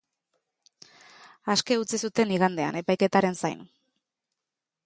Aske utzi zuten igandean, epaiketaren zain.